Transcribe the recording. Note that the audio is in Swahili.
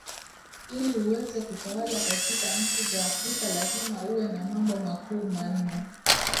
iliuweze kutawala katika nchi za afrika lazima uwe na mambo makuu manne